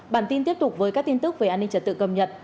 bản tin tiếp tục với các tin tức về an ninh trật tự cầm nhật